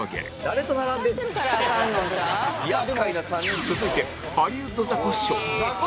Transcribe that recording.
続いてハリウッドザコシショウ